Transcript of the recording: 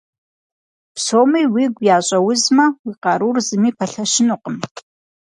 Псоми уигу ящӏэузмэ, уи къарур зыми пэлъэщынукъым.